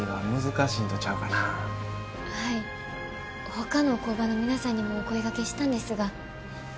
ほかの工場の皆さんにもお声がけしたんですが。